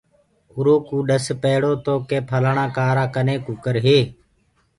اُرو ڪوُ ڏس پيڙو تو ڪي ڦلآڻآ ڪآرآ ڪني ڪٚڪَر هي۔